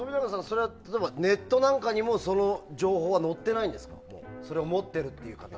それはネットなんかにもその情報は載ってないんですか？